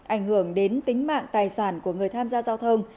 ảnh hưởng đến tính mạng tài sản của người tham gia giao thông